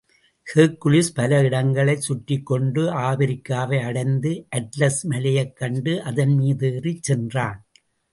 Hercules பல இடங்களைச் சுற்றிக்கொண்டு, ஆப்பிரிக்காவை அடைந்து, atlas மலையைக் கண்டு, அதன் மீது ஏறிச் சென்றான்.